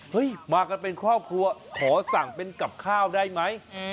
มากันเป็นครอบครัวขอสั่งเป็นกับข้าวได้ไหม